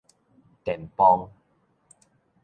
電磅